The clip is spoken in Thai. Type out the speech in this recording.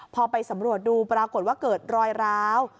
พอไปสำรวจดูปรากฏว่าเกิดรอยร้าว